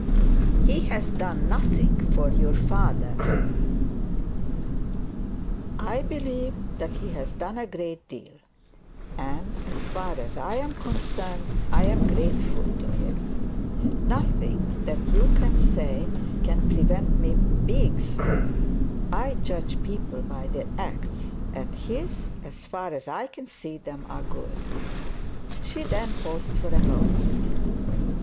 'He has done nothing for your father.' 'I believe that he has done a great deal; and, as far as I am concerned, I am grateful to him. I judge people by their acts, and his, as far as I can see them, are good.' She then paused for a moment.